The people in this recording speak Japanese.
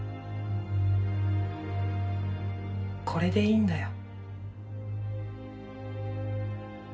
これでいいんだよ